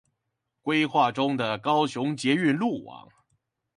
規劃中的高雄捷運路網